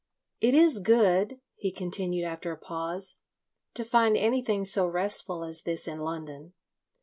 "It is good," he continued after a pause, "to find anything so restful as this in London.